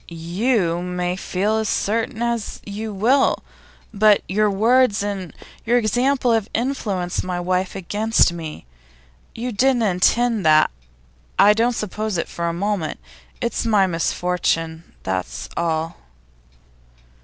'You may feel as certain as you will, but your words and your example have influenced my wife against me. You didn't intend that; I don't suppose it for a moment. It's my misfortune, that's all.